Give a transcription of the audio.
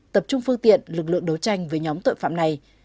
tập trung phương tiện lực lượng đấu tranh với nhóm tội phạm này